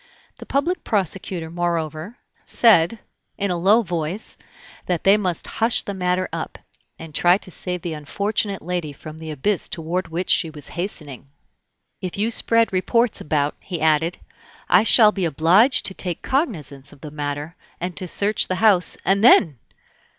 The public prosecutor, moreover, said, in a low voice, that they must hush the matter up, and try to save the unfortunate lady from the abyss toward which she was hastening. "If you spread reports about," he added, "I shall be obliged to take cognizance of the matter, and to search the house, and then!..."